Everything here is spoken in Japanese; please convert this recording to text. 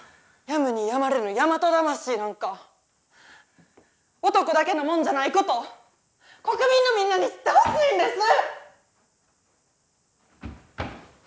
やむにやまれぬ大和魂なんか男だけのもんじゃないことを国民のみんなに知ってほしいんです！